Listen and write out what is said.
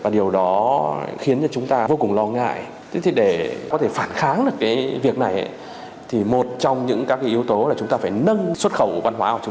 trong việc là xuất khẩu